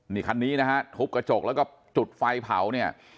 นี่คันนี้นะฮะทุบกระจกแล้วก็จุดไฟเผาเนี่ย